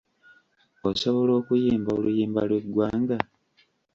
Osobola okuyimba oluyimba lw'eggwanga?